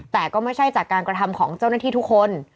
แต่ก็ไม่ใช่จากการกระทำของเจ้าหน้าที่ทุกคน